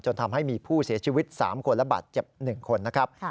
ทำให้มีผู้เสียชีวิต๓คนและบาดเจ็บ๑คนนะครับ